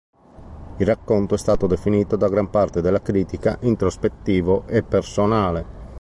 Il racconto è stato definito da gran parte della critica introspettivo e personale.